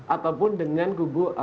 ataupun dengan kubu